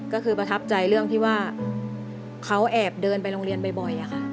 ก็คือประทับใจเรื่องที่ว่าเขาแอบเดินไปโรงเรียนบ่อยค่ะ